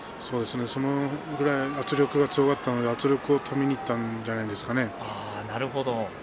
それくらい圧力が強かったので圧力を止めにいったんじゃないですかね。